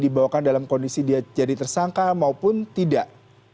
dibawakan dalam kondisi dia jadi tersangka maupun tidak